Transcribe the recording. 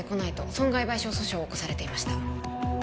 損害賠償訴訟を起こされていました